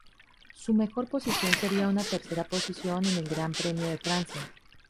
Su mejor posición sería una tercera posición en el Gran Premio de Francia.